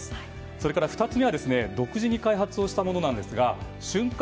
それから２つ目は独自に開発したものですが旬感！